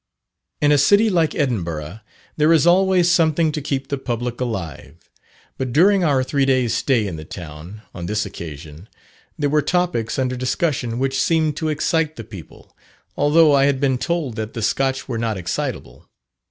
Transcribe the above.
In a city like Edinburgh, there is always something to keep the public alive, but during our three days' stay in the town, on this occasion, there were topics under discussion which seemed to excite the people, although I had been told that the Scotch were not excitable.